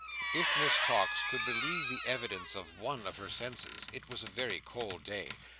If Miss Tox could believe the evidence of one of her senses, it was a very cold day.